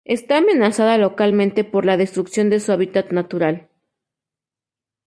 Está amenazada localmente por la destrucción de su hábitat natural.